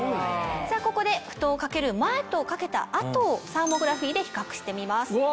ここで布団を掛ける前と掛けた後をサーモグラフィーで比較してみます。